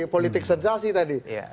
politik sensasi tadi